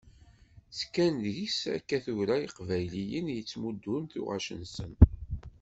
Ttekkan deg-s akka tura yiqbayliyen i d-yettmuddun tuɣac-nsen.